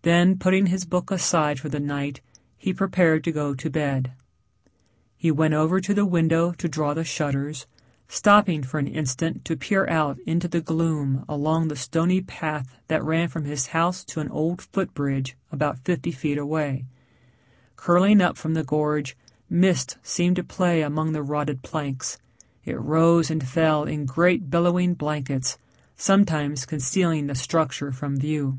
Then putting his book aside for the night he prepared to go to bed. He went over to the window to draw the shutters, stopping for an instant to peer out into the gloom along the stony path that ran from his house to an old foot bridge about fifty feet away. Curling up from the gorge, mist seemed to play among the rotted planks; it rose and fell in great billowing blankets, sometimes concealing the structure from view.